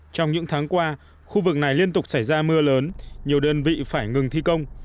trong những tháng qua khu vực này liên tục xảy ra mưa lớn nhiều đơn vị phải ngừng thi công